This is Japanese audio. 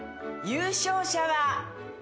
優勝者は。